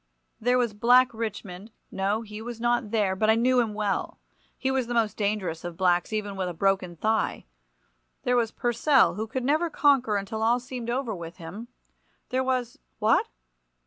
There was Black Richmond—no, he was not there, but I knew him well; he was the most dangerous of blacks, even with a broken thigh. There was Purcell, who could never conquer until all seemed over with him. There was—what!